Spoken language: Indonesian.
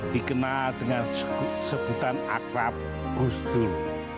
dikenal dengan sebutan akrab gusdur